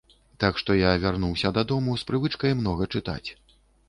Так што я вярнуся дадому з прывычкай многа чытаць.